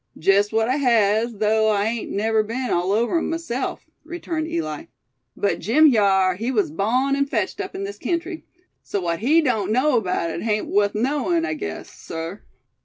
"Jest what I has, though I hain't never be'n all over 'em myself," returned Eli. "But Jim hyar, he was bawn an' fetched up in this kentry; so what he doan't know 'baout hit hain't wuth knowin', I guess, sir."